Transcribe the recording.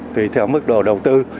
tùy theo mức độ đầu tư